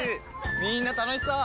みんな楽しそう！